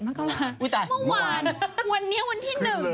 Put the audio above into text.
แม่วมานวันนี้วันที่๑